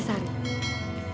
kamu harus cepat menikahi sari